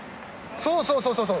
そうそうそうそう。